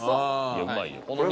うまいよ